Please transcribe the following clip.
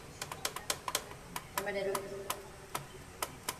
His eldest son, Henry Herbert Lartey, succeeded him.